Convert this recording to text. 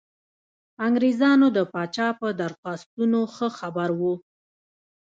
انګرېزان د پاچا په درخواستونو ښه خبر وو.